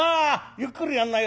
ゆっくりやんなよ。